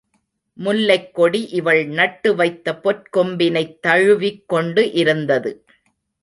முல்லைக் கொடி இவள் நட்டு வைத்த பொற்கொம்பினைத் தழுவிக் கொண்டு இருந்தது.